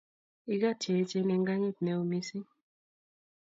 igat che echen eng kanyit neo mising